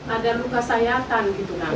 ada luka sayatan gitu